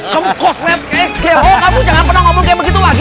kamu kosmed eh demo kamu jangan pernah ngomong kayak begitu lagi